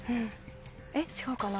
えっ違うかな？